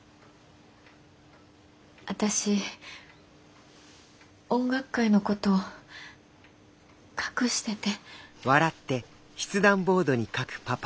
私音楽会のこと隠してて。